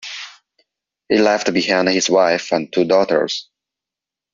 He left behind his wife and two daughters.